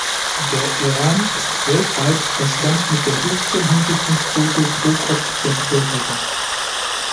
Der Iran ist weltweit das Land mit der höchsten Hinrichtungsquote pro Kopf der Bevölkerung.